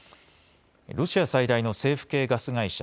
ロシア最大の政府系ガス会社